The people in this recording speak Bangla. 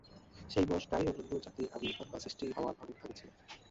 সেই বয়স প্রায়ই অন্যান্য জাতির আবির্ভাব বা সৃষ্টি হওয়ার অনেক আগে ছিল।